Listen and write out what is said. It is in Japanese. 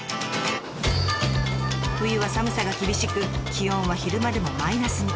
冬は寒さが厳しく気温は昼間でもマイナスに。